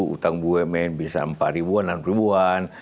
utang bumn bisa empat ribuan enam puluh ribuan